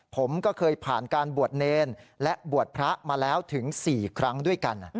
ผมก็เคยผ่านการบวชเนรและบวชพระมาแล้วถึง๔ครั้งด้วยกัน